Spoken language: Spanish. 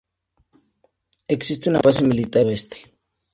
Existe una base militar en el lado este.